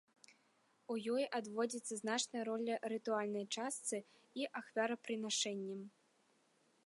У ёй адводзіцца значная роля рытуальнай частцы і ахвярапрынашэнням.